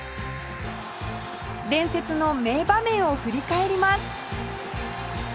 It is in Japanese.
伝説の名場面を振り返ります